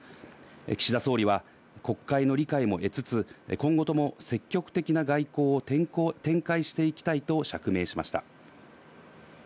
岸田総理は国会の理解も得つつ、今後とも積極的な外交を展開していきたいと釈明しました。